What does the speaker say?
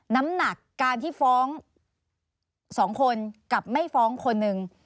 น้ำหนักการที่ฟ้อง๒คนกับไม่ฟ้องคนหนึ่ง